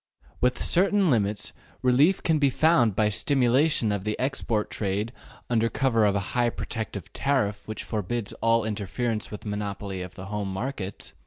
Within certain limits relief can be found by stimulation of the export trade under cover of a high protective tariff which forbids all interference with monopoly of the home markets.